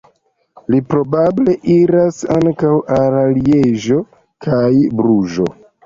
Li probable iras ankaŭ al Lieĝo kaj Bruĝo.